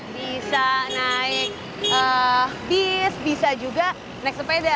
bisa naik bis bisa juga naik sepeda